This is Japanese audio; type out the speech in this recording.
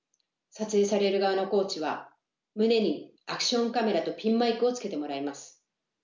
撮影される側のコーチは胸にアクションカメラとピンマイクをつけてもらいます。